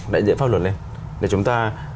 đại diện pháp luật lên để chúng ta